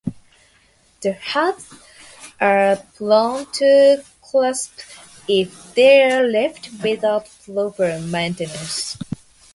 The huts are prone to collapse if they are left without proper maintenance.